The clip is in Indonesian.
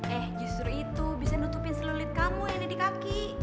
eh justru itu bisa nutupin selulit kamu ini di kaki